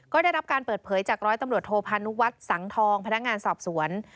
ก็ได้รับการเปิดเผยจากร้อยตำรวจโทพานุวัฒน์สังทองพนักงานสอบสวน